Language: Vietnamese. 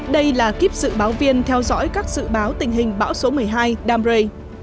đây là kiếp sự báo viên theo dõi các sự báo tình hình bão số một mươi hai đam rây